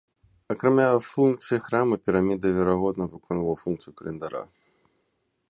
Акрамя функцыі храма піраміда, верагодна, выконвала функцыю календара.